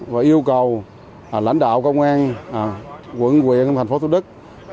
và yêu cầu lãnh đạo công an quận nguyện thành phố thu đức